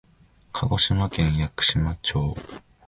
鹿児島県屋久島町